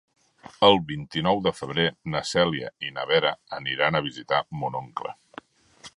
El vint-i-nou de febrer na Cèlia i na Vera aniran a visitar mon oncle.